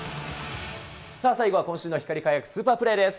さあ、最後は今週の光り輝くスーパープレーです。